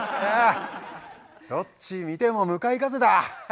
どっち見ても向かい風だ。